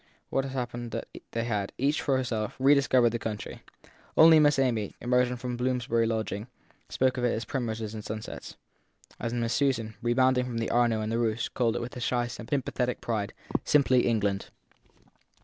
What had happened was that they had, each for herself, re discovered the country; only Miss Amy, emergent from Bloomsbury lodgings, spoke of it as primroses and sunsets, and Miss Susan, rebounding from the Arno and the Eeuss, called it, with a shy, synthetic pride, simply England.